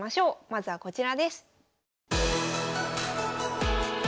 まずはこちらです。